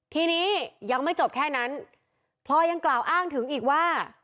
ทีนี้ยังไม่จบแค่นั้นพลอยยังกล่าวอ้างถึงอีกว่า